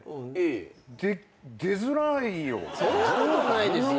そんなことないですよ。